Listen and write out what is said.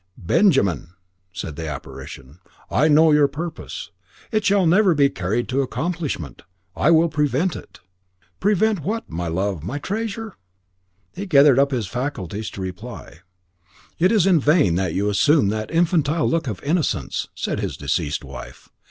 "Benjamin," said the apparition, "I know your purpose. It shall never be carried to accomplishment. I will prevent it." "Prevent what, my love, my treasure?" he gathered up his faculties to reply. "It is in vain that you assume that infantile look of innocence," said his deceased wife.